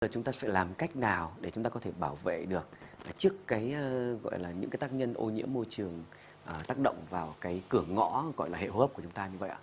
chúng ta phải làm cách nào để chúng ta có thể bảo vệ được trước những tác nhân ô nhiễm môi trường tác động vào cửa ngõ hệ hợp của chúng ta như vậy ạ